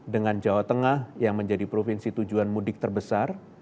dengan jawa tengah yang menjadi provinsi tujuan mudik terbesar